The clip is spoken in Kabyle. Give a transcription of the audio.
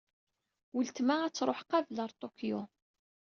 Uletma ad truḥ qabel ɣer Tokyo.